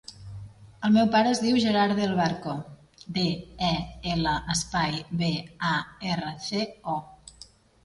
El meu pare es diu Gerard Del Barco: de, e, ela, espai, be, a, erra, ce, o.